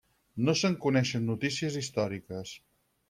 No se'n coneixen notícies històriques.